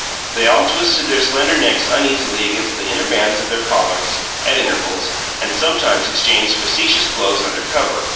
They all twisted their slender necks uneasily against the inner bands of their collars, at intervals, and sometimes exchanged facetious blows under cover.